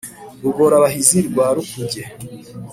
Rugora-bahizi rwa Rukuge